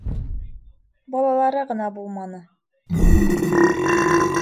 Балалары ғына булманы.